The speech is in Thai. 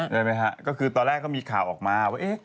ใช่ไหมฮะก็คือตอนแรกก็มีข่าวออกมาว่าเอ๊ะ